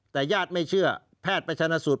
แต่ญาติไม่เชื่อแพทย์ไปชนะสูตร